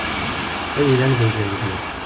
Wid yellan zewjen deg tmurt.